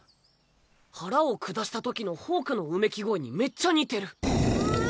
腹を下したときのホークのうめき声にめっちゃ似てる。